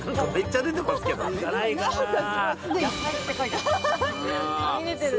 野菜って書いてあります。